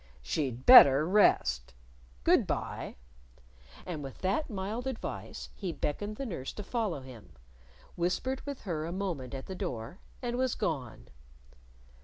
" She'd better rest. Good by." And with that mild advice, he beckoned the nurse to follow him, whispered with her a moment at the door, and was gone.